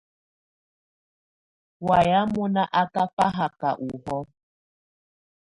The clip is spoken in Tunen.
Wayɛ̀á mɔ́ná á ká fáhaká ɔhɔ̀ɔ̀.